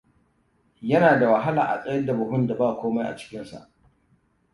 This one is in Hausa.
Yana da wahala a tsayar da buhun da ba komai a cikinsa.